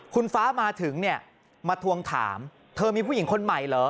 คุณฟ้ามาถึงเนี่ยมาทวงถามเธอมีผู้หญิงคนใหม่เหรอ